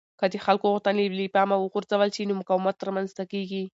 که د خلکو غوښتنې له پامه وغورځول شي نو مقاومت رامنځته کېږي